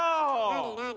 何何？